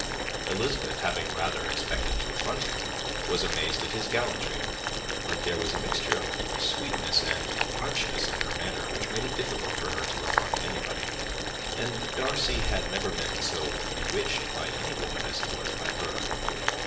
Elizabeth, having rather expected to affront him, was amazed at his gallantry; but there was a mixture of sweetness and archness in her manner which made it difficult for her to affront anybody, and Darcy had never been so bewitched by any woman as he was by her.